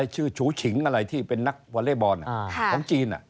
ชื่อฉูฉิงอะไรที่เป็นนักวอเล็กบอลของจีน